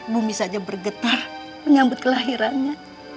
bumi saja bergetah menyambut kelahirannya